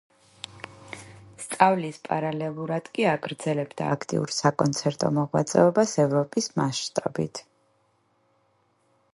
სწავლის პარალელურად კი აგრძელებდა აქტიურ საკონცერტო მოღვაწეობას ევროპის მასშტაბით.